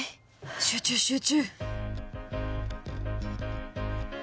集中集中！